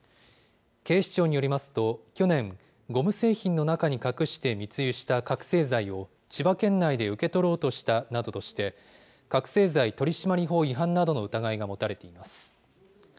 警視庁によりますと去年、ゴム製品の中に隠して密輸した覚醒剤を、千葉県内で受け取ろうとしたなどとして、覚醒剤取締法違反などの疑いが持たれています。